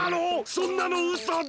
そんなのうそだ！